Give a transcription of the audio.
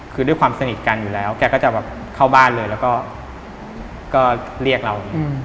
คือด้วยความสนิทกันอยู่แล้วแกก็จะแบบเข้าบ้านเลยแล้วก็เรียกเรา